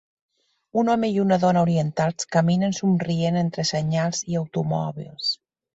Un home i una dona orientals caminen somrient entre senyals i automòbils.